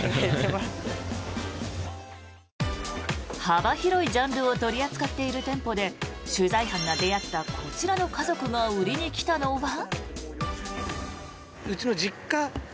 幅広いジャンルを取り扱っている店舗で取材班が出会ったこちらの家族が売りに来たのは？